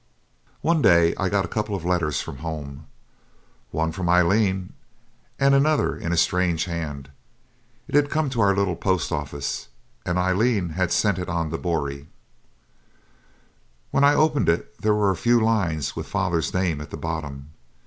One day I got a couple of letters from home one from Aileen and another in a strange hand. It had come to our little post office, and Aileen had sent it on to Boree. When I opened it there were a few lines, with father's name at the bottom.